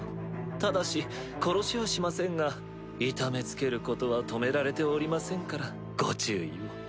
ただし殺しはしませんが痛めつけることは止められておりませんからご注意を。